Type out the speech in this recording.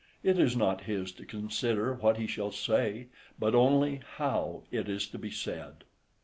It is not his to consider what he shall say, but only how it is to be said.